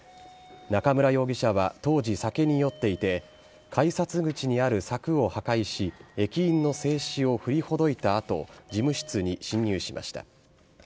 中村容疑者は当時、酒に酔っていて改札口にある柵を破壊し駅員の制止を振りほどいた後事務室に侵入しました。